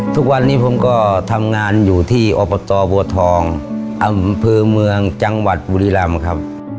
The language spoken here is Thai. ทุกวันนี้ผมก็ทำงานอยู่ที่อบตบัวทองอำเภอเมืองจังหวัดบุรีรำครับ